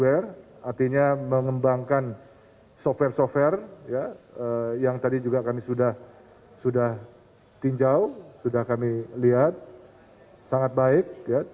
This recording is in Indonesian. artinya mengembangkan software software yang tadi juga kami sudah tinjau sudah kami lihat sangat baik